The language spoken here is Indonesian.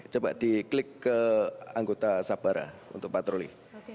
coba di klik ke anggota sabara untuk patroli